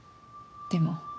でも。